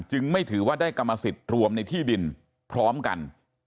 ไม่ถือว่าได้กรรมสิทธิ์รวมในที่ดินพร้อมกัน